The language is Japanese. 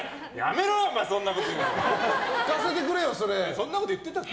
そんなこと言ってたっけ？